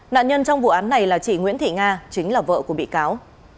nạn nhân trong vụ án này là chị nguyễn thị nga chính là vợ của bị cáo